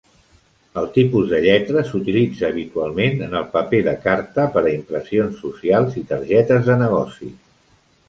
El tipus de lletra s'utilitza habitualment en el paper de carta per a impressions socials i targetes de negocis.